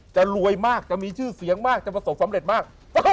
จะรวยมากจะมีชื่อเสียงมากจะประสบความสำเร็จมาก